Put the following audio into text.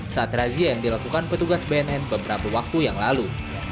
saat razia yang dilakukan petugas bnn beberapa waktu yang lalu